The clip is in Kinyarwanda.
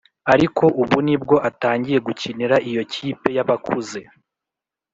ariko ubu nibwo atangiye gukinira iyo kipe y’abakuze